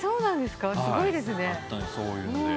すごいですね。